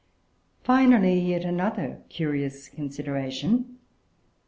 Finally, yet another curious consideration.